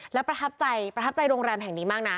และประทับใจประทับใจโรงแรมแห่งนี้มากนะ